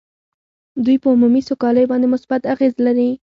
دوی په عمومي سوکالۍ باندې مثبت اغېز لري